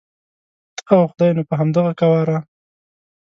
ته او خدای نو په همدغه قواره.